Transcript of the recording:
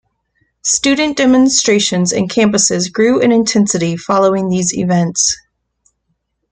Student demonstrations in campuses grew in intensity following these events.